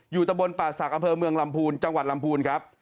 อยู่ตะบนประสาทกำเภอเมืองลำพูนจังหวัดลำพูนครับ